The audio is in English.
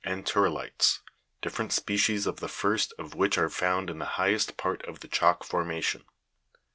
130), and turrili'tes (fig. 131), different species of the first of which are found in the highest part of the chalk formation.